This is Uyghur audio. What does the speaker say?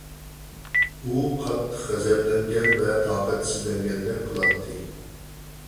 ئۇ قاتتىق غەزەپلەنگەن ۋە تاقەتسىزلەنگەندەك قىلاتتى.